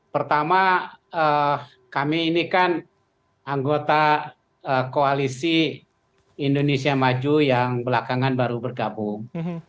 pertama kami ini kan anggota koalisi indonesia maju yang belakangan baru bergabung